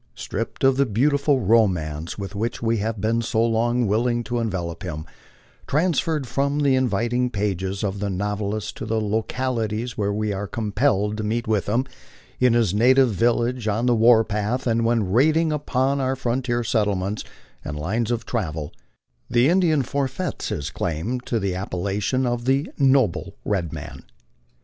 Stripped of the beautiful romance with which we have been so long willing to envelop him, transferred from the inviting pages of the novelist to the lo calities where we are compelled to meet with him, in his native village, on the war path, and when raiding upon our frontier settlements and lines of travel, the Indian forfeits his claim to the appellation of the " noble red man."